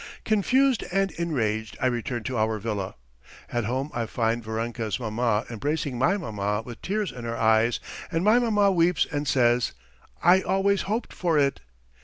Confused and enraged, I return to our villa. At home I find Varenka's maman embracing my maman with tears in her eyes. And my maman weeps and says: "I always hoped for it!"